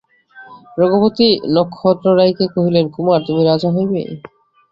রঘুপতি নক্ষত্ররায়কে কহিলেন, কুমার, তুমি রাজা হইবে।